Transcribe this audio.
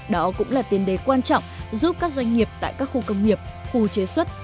đó cũng là tiến đế quan trọng giúp các doanh nghiệp tại các khu công nghiệp khu chế xuất